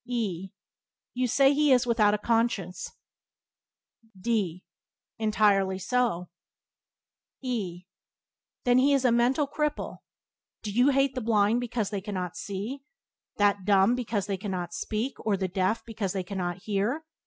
E You say he is without a conscience. D Entirely so. E Then he is a mental cripple. Do you hate the blind because they cannot see, that dumb because they cannot speak, or the deaf because they cannot hear?